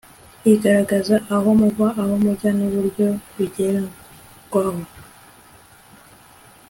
igaragaza aho muva, aho mujya n'uburyo bizagerwaho